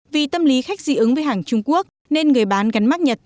vì tâm lý khách dị ứng với hàng trung quốc nên người bán gắn mắt nhật